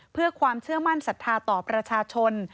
เพื่อความเชื่อมั่นศรัทธาต่อประชาชน